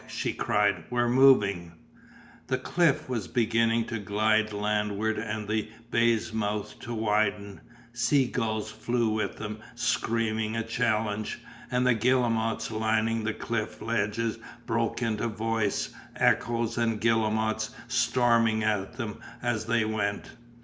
she cried, "we're moving!" The cliff's were beginning to glide landward and the bay's mouth to widen, sea gulls flew with them screaming a challenge, and the guillemots lining the cliff ledges broke into voice, echoes and guillemots storming at them as they went.